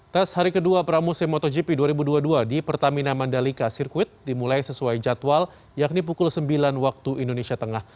tes hari kedua pramusim motogp dua ribu dua puluh dua di pertamina mandalika circuit dimulai sesuai jadwal yakni pukul sembilan waktu indonesia tengah